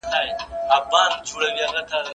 زه به سبا د درسونو يادونه وکړم!.